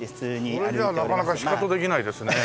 それじゃあなかなかシカトできないですね。